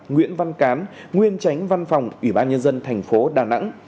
nguyễn văn cám nguyên tránh văn phòng ủy ban nhân dân thành phố đà nẵng